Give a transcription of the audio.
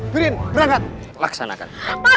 pimp berangkat laksanakan